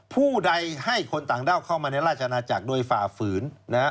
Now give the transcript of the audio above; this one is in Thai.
ผู้ใดให้คนต่างด้าวเข้ามาในราชนาจักรโดยฝ่าฝืน